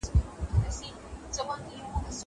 زه اوږده وخت د ښوونځی لپاره امادګي نيسم وم!